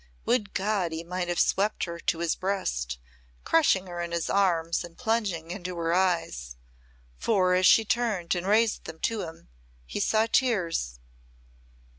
Would God he might have swept her to his breast, crushing her in his arms and plunging into her eyes, for as she turned and raised them to him he saw tears.